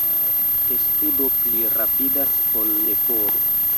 Testudo pli rapidas ol leporo.